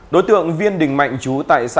đối tượng viên đình mạnh chú thủy tên gọi là bé thủy